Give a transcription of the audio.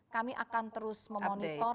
kami akan terus memonitor